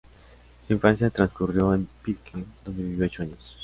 Su infancia transcurrió en Pirque, donde vivió ocho años.